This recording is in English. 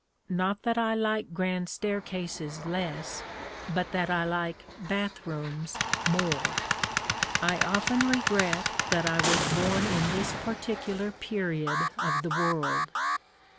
Not that I like grand staircases less, but that I like bath rooms more. I often regret that I was born in this particular period of the world.